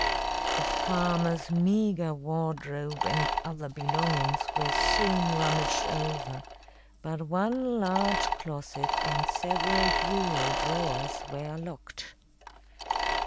The farmer's meager wardrobe and other belongings were soon rummaged over, but one large closet and several bureau drawers were locked.